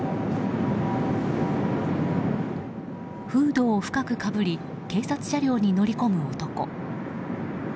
フードを深くかぶり警察車両に乗り込む男。